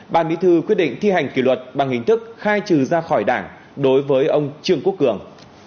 bà mỹ thư quyết định thi hành kỳ luật bằng hình thức khai trừ ra khỏi đảng đối với ông trương quốc cường